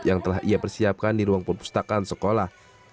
yang telah ia persiapkan di ruang perpustakaan sekolah